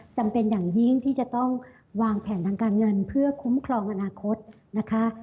จำเป็นอย่างยิ่งที่จะต้องวางแผนทางการเงินเพื่อคุ้มครองอนาคตนะคะ